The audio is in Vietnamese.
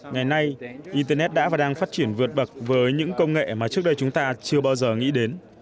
ngày nay internet đã và đang phát triển vượt bậc với những công nghệ mà trước đây chúng ta chưa bao giờ nghĩ đến